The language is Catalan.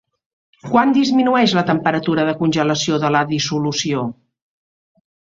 Quan disminueix la temperatura de congelació de la dissolució?